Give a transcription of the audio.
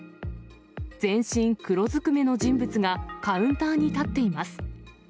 全身黒ずくめの人物がカウンターに立っています。